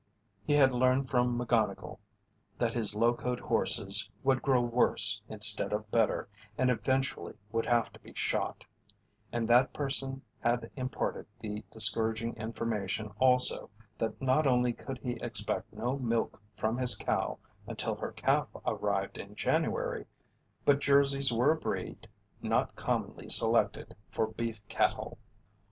He had learned from McGonnigle that his locoed horses would grow worse instead of better and eventually would have to be shot, and that person had imparted the discouraging information also that not only could he expect no milk from his cow until her calf arrived in January but Jerseys were a breed not commonly selected for beef cattle.